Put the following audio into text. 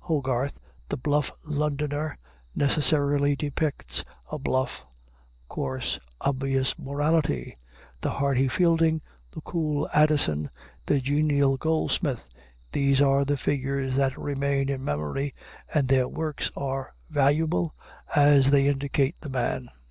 Hogarth, the bluff Londoner, necessarily depicts a bluff, coarse, obvious morality. The hearty Fielding, the cool Addison, the genial Goldsmith, these are the figures that remain in memory, and their works are valuable as they indicate the man.